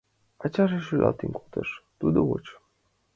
— Ачаже, — шуялтен колтыш тудо, — воч.